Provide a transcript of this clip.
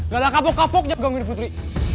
gak ada kapok kapok gangguin putri